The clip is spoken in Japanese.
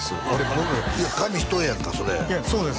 僕紙一重やんかそれいやそうです